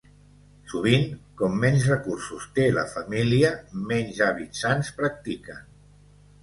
Sovint, com menys recursos té la família menys hàbits sans practiquen.